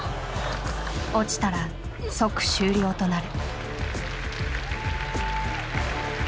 落ちたら即終了となる。